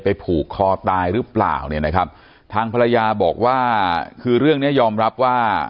ผูกคอตายหรือเปล่าเนี่ยนะครับทางภรรยาบอกว่าคือเรื่องเนี้ยยอมรับว่า